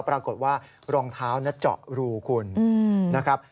ปรากฏว่ารองเท้าน่ะเจาะรูคุณนะครับ